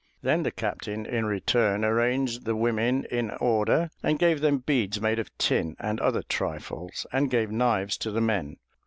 Then the captain in return arranged the women in order and gave them beads made of tin, and other trifles, and gave knives to the men.